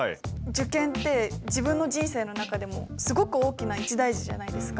受験って自分の人生の中でもすごく大きな一大事じゃないですか。